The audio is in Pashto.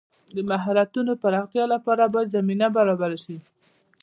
د مهارتونو د پراختیا لپاره باید زمینه برابره شي.